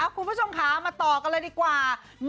คุณผู้ชมค่ะมาต่อกันเลยดีกว่า